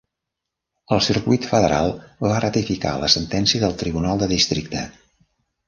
El Circuit Federal va ratificar la sentència del Tribunal de Districte.